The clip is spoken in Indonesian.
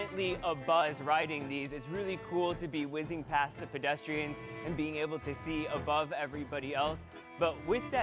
tapi dengan kecepatan itu anda juga bisa merasakan risiko